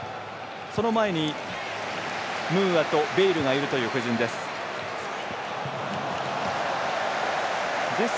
その前にムーアと、ベイルがいるという布陣です。